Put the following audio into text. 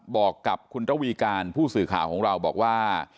บอกกับคุณระวีการผู้สื่อข่าวของเราบอกว่า